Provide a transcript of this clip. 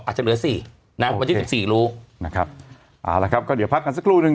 อาจจะเหลือสี่นะวันที่สิบสี่รู้นะครับเอาละครับก็เดี๋ยวพักกันสักครู่นึง